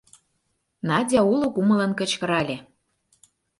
— Надя уло кумылын кычкырале.